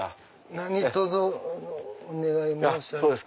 何とぞお願い申し上げます。